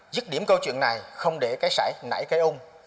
dứt điểm câu chuyện này không để cái xảy cái ung